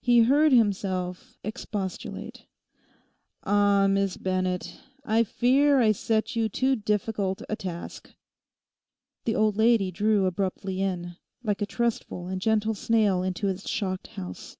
He heard himself expostulate, 'Ah, Miss Bennett, I fear I set you too difficult a task.' The old lady drew abruptly in, like a trustful and gentle snail into its shocked house.